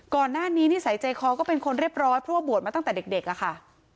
ก่อนหน้านี้นิสัยเจคอร์ก็เป็นคนเรียบร้อยเพราะว่าบวชมาตั้งแต่เด็กเด็กอ่ะค่ะ